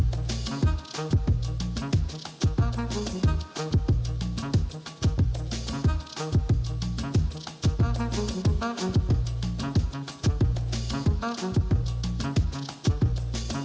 benaran loh pemirsa